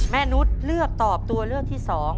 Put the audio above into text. นุษย์เลือกตอบตัวเลือกที่๒